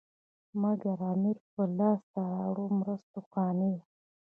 مګر امیر په لاسته راوړو مرستو قانع وو.